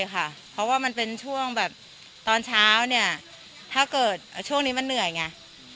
เพราะว่ามันเป็นช่วงแบบตอนเช้าเนี่ยถ้าเกิดช่วงนี้มันเหนื่อยไง